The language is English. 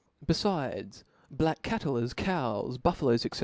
Befides, black cattle, as cows, bufia |oes, &c.